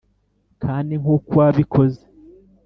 kandi nkuko wabikoze